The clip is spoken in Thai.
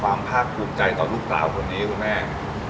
ภาคภูมิใจต่อลูกสาวคนนี้คุณแม่